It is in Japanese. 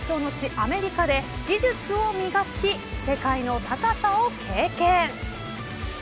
アメリカで技術を磨き世界の高さを経験。